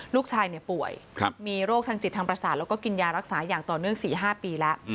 ลูกชายป่วยมีโรคทางจิตทางประสาทแล้วก็กินยารักษาอย่างต่อเนื่อง๔๕ปีแล้ว